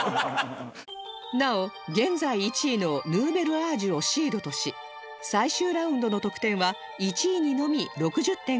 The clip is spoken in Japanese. なお現在１位のヌーベルアージュをシードとし最終ラウンドの得点は１位にのみ６０点加算されます